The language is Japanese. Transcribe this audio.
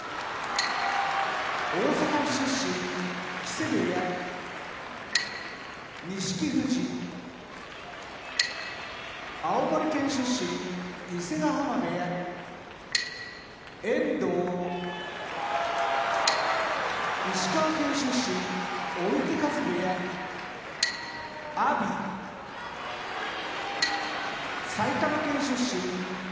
大阪府出身木瀬部屋錦富士青森県出身伊勢ヶ濱部屋遠藤石川県出身追手風部屋阿炎埼玉県出身錣山部屋